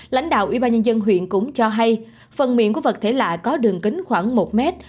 lãnh đạo ủy ban nhân dân huyện cũng cho hay phần miệng của vật thể lạ có đường kính khoảng một m